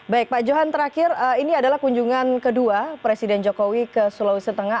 baik pak johan terakhir ini adalah kunjungan kedua presiden jokowi ke sulawesi tengah